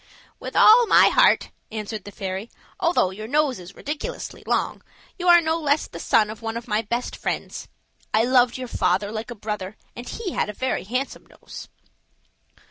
"With all my heart," answered the fairy. "Although your nose is ridiculously long, you are no less the son of one of my best friends. I loved your father like a brother; he had a very handsome nose."